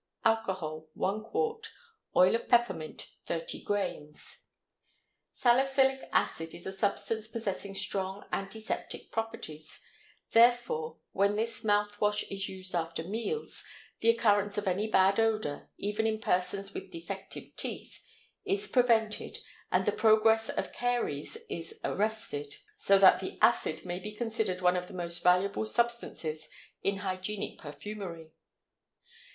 Alcohol 1 qt. Oil of peppermint 30 grains. Salicylic acid is a substance possessing strong antiseptic properties; therefore, when this mouth wash is used after meals, the occurrence of any bad odor, even in persons with defective teeth, is prevented and the progress of caries is arrested, so that the acid may be considered one of the most valuable substances in hygienic perfumery.